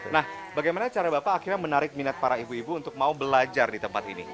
nah bagaimana cara bapak akhirnya menarik minat para ibu ibu untuk mau belajar di tempat ini